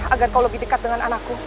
agar kau lebih dekat dengan anakku